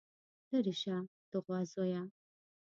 ليرې شه د غوا زويه.